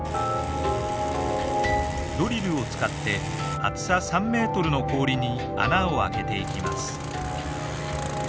ドリルを使って厚さ３ｍの氷に穴を開けていきます。